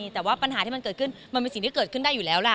แต่ว่าปัญหาที่มันเกิดขึ้นมันเป็นสิ่งที่เกิดขึ้นได้อยู่แล้วล่ะ